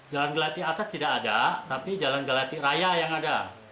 jalan gelatik atas tidak ada tapi jalan gelatik raya yang ada